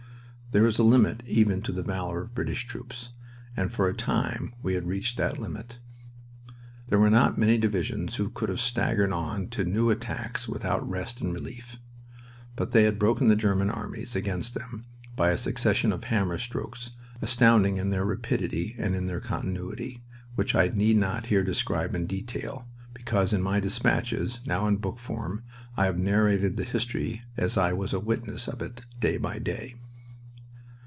There is a limit even to the valor of British troops, and for a time we had reached that limit. There were not many divisions who could have staggered on to new attacks without rest and relief. But they had broken the German armies against them by a succession of hammer strokes astounding in their rapidity and in their continuity, which I need not here describe in detail, because in my despatches, now in book form, I have narrated that history as I was a witness of it day by day.